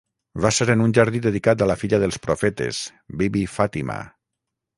Va ser en un jardí dedicat a la filla dels profetes, Bibi Fatimah.